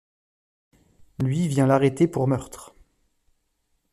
Lui vient l'arrêter pour meurtre.